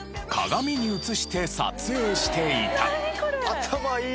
頭いい！